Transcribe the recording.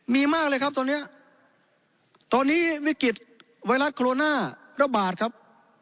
มีมากเลยครับตอนนี้ตอนนี้วิกฤตไวรัสโคโรนาระบาดครับ